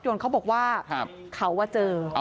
จนเขาบอกว่าเขาว่าเจอ